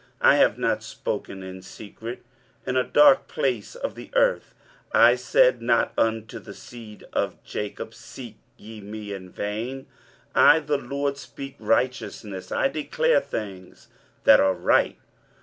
23:045:019 I have not spoken in secret, in a dark place of the earth: I said not unto the seed of Jacob, Seek ye me in vain: I the LORD speak righteousness, I declare things that are right.